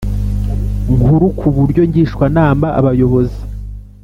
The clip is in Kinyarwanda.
Nkuru ku buryo ngishwanama abayobozi